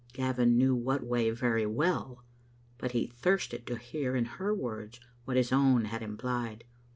Gavin knew what way very well, but he thirsted to hear in her words what his own had implied.